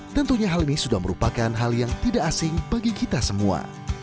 tentunya hal ini sudah merupakan hal yang tidak asing bagi kita semua